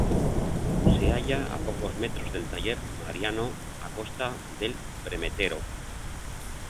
Se halla a pocos metros del taller Mariano Acosta del Premetro.